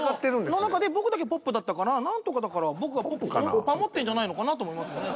の中で僕だけポップだったから何とか僕がポップを保ってんじゃないのかなと思いますよね。